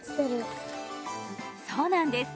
そうなんです